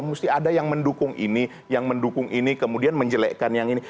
mesti ada yang mendukung ini yang mendukung ini kemudian menjelekkan yang ini